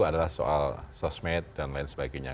adalah soal sosmed dan lain sebagainya